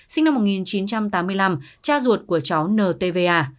sinh năm một nghìn chín trăm tám mươi năm cha ruột của cháu ntva